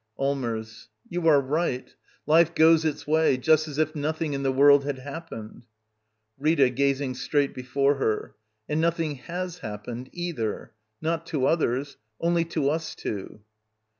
Allmers. You are right. Life goes its v'^way — just as if nothing in the world had hap pened. Rita. [Grazing strai^t before her.] And noth ying has happened, either. Not to others. Only to ^ us two.